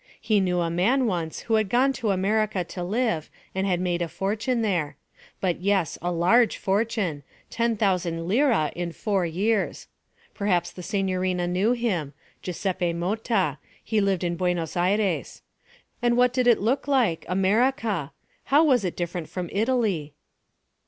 He knew a man once who had gone to America to live and had made a fortune there but yes, a large fortune ten thousand lire in four years. Perhaps the signorina knew him Giuseppe Motta; he lived in Buenos Aires. And what did it look like America? How was it different from Italy?